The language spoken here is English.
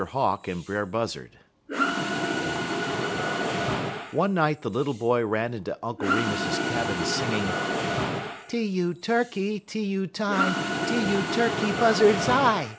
HAWK AND BRER BUZZARD One night the little boy ran into Uncle Remus's cabin singing: "_T u Turkey, t u Ti, T u Turkey Buzzard's eye!